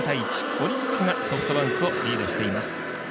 オリックスがソフトバンクをリードしています。